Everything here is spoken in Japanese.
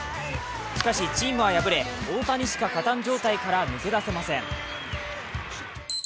しかし、チームは敗れ、大谷しか勝たん状態から抜け出せません。